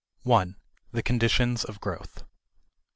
The Conditions of Growth.